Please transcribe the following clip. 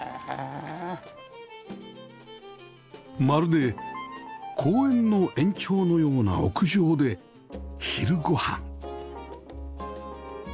まるで公園の延長のような屋上で昼ご飯